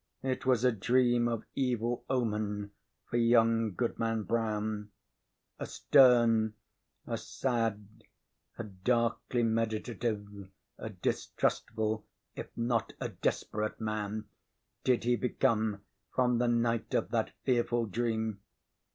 it was a dream of evil omen for young Goodman Brown. A stern, a sad, a darkly meditative, a distrustful, if not a desperate man did he become from the night of that fearful dream.